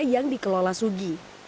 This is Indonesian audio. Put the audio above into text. yang dikelola sugi